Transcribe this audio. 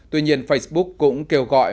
tuy nhiên facebook cũng kêu gọi